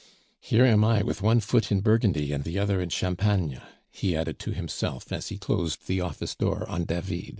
"Here am I with one foot in Burgundy and the other in Champagne," he added to himself as he closed the office door on David.